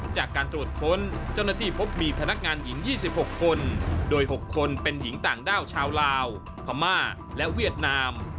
จากการตรวจค้นเจ้าหน้าที่พบมีพนักงานหญิง๒๖คนโดย๖คนเป็นหญิงต่างด้าวชาวลาวพม่าและเวียดนาม